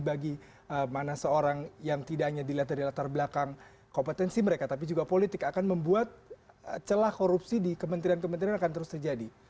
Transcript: bagi mana seorang yang tidak hanya dilihat dari latar belakang kompetensi mereka tapi juga politik akan membuat celah korupsi di kementerian kementerian akan terus terjadi